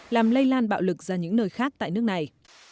làm lây lan bạo lực ra những nơi khác tại nước này